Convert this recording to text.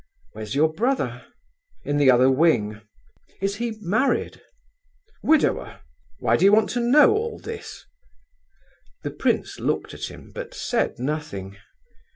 "Where's your brother?" "In the other wing." "Is he married?" "Widower. Why do you want to know all this?" The prince looked at him, but said nothing.